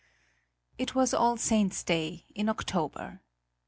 It was All Saints' Day, in October.